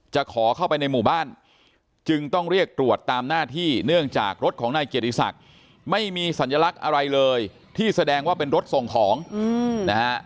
จะขอเข้าไปในหมู่บ้านจึงต้องเรียกตรวจตามหน้าที่เนื่องจากรถของนายเกียรติศักดิ์ไม่มีสัญลักษณ์อะไรเลยที่แสดงว่าเป็นรถส่งของนะฮะ